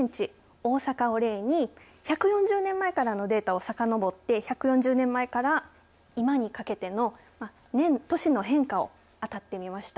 大阪を例に１４０年前からのデータをさかのぼって１４０年前から今にかけての年、年の変化を当たって見ました。